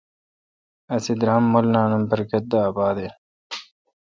اسی درام مولینان ام برکت دے اباد این۔